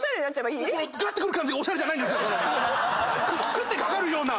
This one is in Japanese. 食ってかかるような。